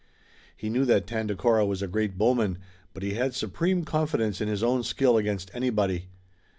He knew that Tandakora was a great bowman, but he had supreme confidence in his own skill against anybody.